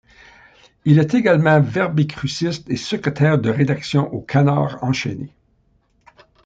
Il est également verbicruciste et secrétaire de rédaction au Canard enchaîné.